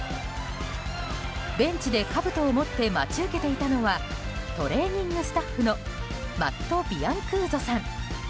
ベンチでかぶとを持って待ち受けていたのはトレーニングスタッフのマット・ビアンクーゾさん。